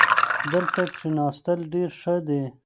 دلته کښېناستل ډېر ښه دي.